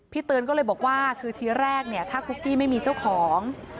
เตือนก็เลยบอกว่าคือทีแรกเนี่ยถ้าคุกกี้ไม่มีเจ้าของ